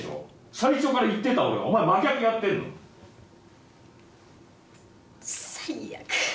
最初から言ってた俺はお前真逆やってんの！」「最悪」